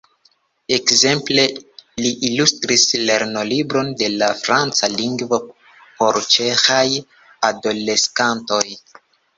Ekzemple li ilustris lernolibron de la franca lingvo por ĉeĥaj adoleskantoj.